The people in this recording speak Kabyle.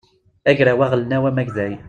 agraw aɣelnaw amagday